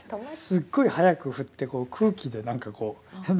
すごい速く振ってこう空気で何かこう。